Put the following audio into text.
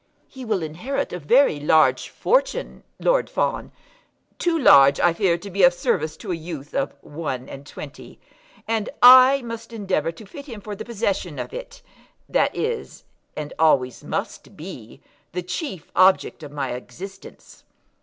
"He will inherit a very large fortune, Lord Fawn; too large, I fear, to be of service to a youth of one and twenty; and I must endeavour to fit him for the possession of it. That is, and always must be, the chief object of my existence."